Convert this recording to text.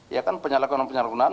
ya kan penyalakuan penyalakuan